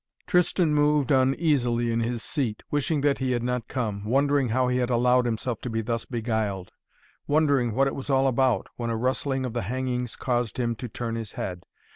Tristan moved uneasily in his seat, wishing that he had not come, wondering how he had allowed himself to be thus beguiled, wondering what it was all about, when a rustling of the hangings caused him to turn his head.